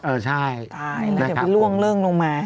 เออใช่เอาถึงพี่ล่วงเรื่องลงมา